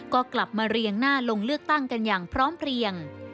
ก็กลับมาเรียงหน้าลงเลือกตั้งกันอย่างพร้อมเพลียง